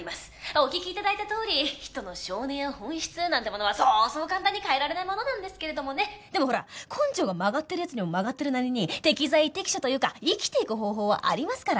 「お聴き頂いたとおり人の性根や本質なんてものはそうそう簡単に変えられないものなんですけれどもね」でもほら根性が曲がってる奴には曲がってるなりに適材適所というか生きていく方法はありますから。